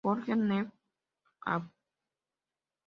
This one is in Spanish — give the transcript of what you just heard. Jorge Newbery, Av.